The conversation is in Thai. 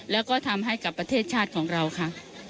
แล้วก็ทำให้กับประเทศชาติของเราค่ะ